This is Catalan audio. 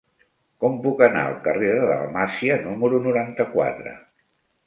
Com puc anar al carrer de Dalmàcia número noranta-quatre?